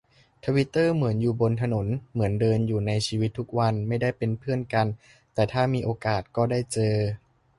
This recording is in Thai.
ทวิตเตอร์เหมือนอยู่บนถนน เหมือนเดินอยู่ในชีวิตทุกวัน ไม่ได้เป็นเพื่อนกัน แต่ถ้ามีโอกาสก็ได้เจอ